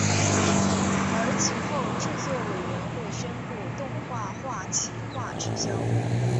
而其后制作委员会宣布动画化企划取消。